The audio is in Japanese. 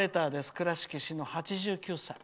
倉敷市の８９歳。